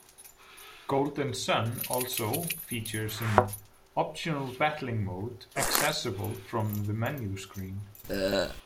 "Golden Sun" also features an optional battling mode accessible from the menu screen.